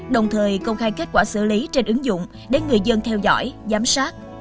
đồng thời công khai kết quả xử lý trên ứng dụng để người dân theo dõi giám sát